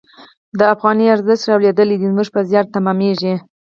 د افغانۍ ارزښت رالوېدل زموږ په زیان تمامیږي.